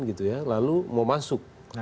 gitu ya lalu mau masuk